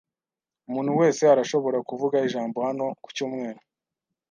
Umuntu wese arashobora kuvuga ijambo hano ku cyumweru.